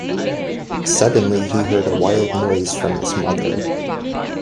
Suddenly he heard a wild noise from his mother.